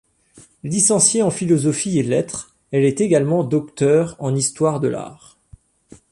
Licenciée en philosophie et lettres, elle est également docteure en histoire de l'art.